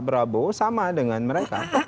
prabowo sama dengan mereka